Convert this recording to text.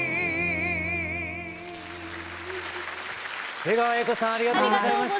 瀬川瑛子さんありがとうございました。